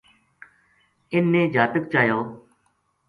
اِن نے جاتک چایو